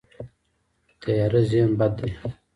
تیاره ذهن بد دی.